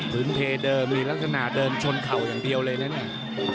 พื้นเพเดิมนี่ลักษณะเดิมชนเข่าอย่างเดียวเลยนะเนี่ย